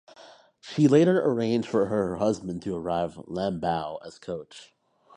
She later arranged for her husband to hire Lambeau as coach.